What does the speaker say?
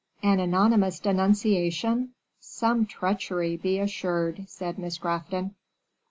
"An anonymous denunciation! some treachery, be assured," said Miss Grafton.